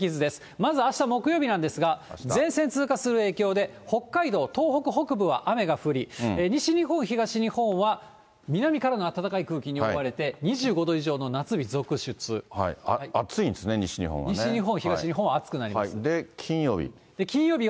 まず、あした木曜日なんですが、前線通過する影響で、北海道、東北北部は雨が降り、西日本、東日本は南からの暖かい空気に覆われ暑いんですね、西日本、東日本は暑くなりまで、金曜日。